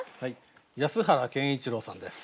安原健一郎さんです。